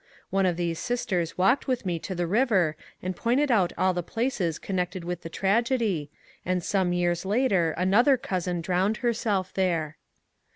One of these sisters walked with me to the river and pointed out all the places connected with the tragedy, and some years later another cousin drowned herself there.